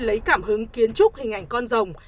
lấy cảm hứng kiến trúc hình ảnh con rồng